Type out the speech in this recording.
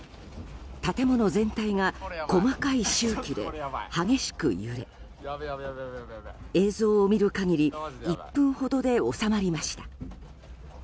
建物全体が細かい周期で激しく揺れ映像を見る限り１分ほどで収まりました。